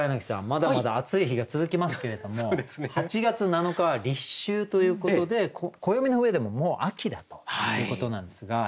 まだまだ暑い日が続きますけれども８月７日は立秋ということで暦の上でももう秋だということなんですが。